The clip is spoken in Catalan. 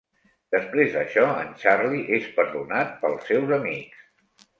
Després d'això en Charlie és perdonat pels seus amics.